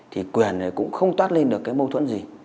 thì quyền này cũng không toát lên được cái mâu thuẫn gì